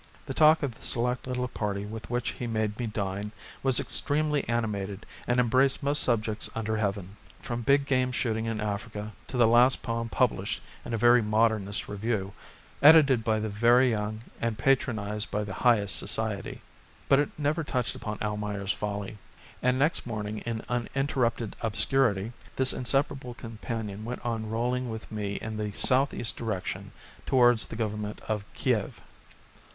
The talk of the select little party with which he made me dine was extremely animated and embraced most subjects under heaven, from big game shooting in Africa to the last poem published in a very modernist review, edited by the very young and patronised by the highest society. But it never touched upon "Almayer's Folly," and next morning, in uninterrupted obscurity, this inseparable companion went on rolling with me in the south east direction towards the Government of Kiev.